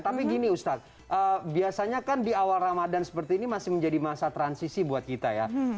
tapi gini ustadz biasanya kan di awal ramadan seperti ini masih menjadi masa transisi buat kita ya